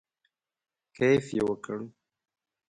کیف یې وکړ.